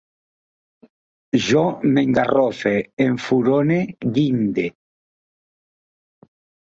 Jo m'engarrofe, enfurone, guinde